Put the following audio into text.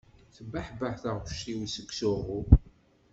Tebbeḥbeḥ taɣect-iw seg usuɣu.